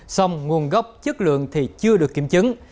xong nguồn gốc chất lượng thì chưa được kiểm chứng